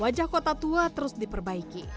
wajah kota tua terus diperbaiki